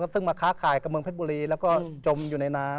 ซึ่งมาค้าขายกับเมืองเพชรบุรีแล้วก็จมอยู่ในน้ำ